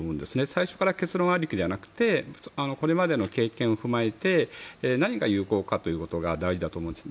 最初から結論ありきじゃなくてこれまでの経験を踏まえて何が有効かということが大事だと思うんです。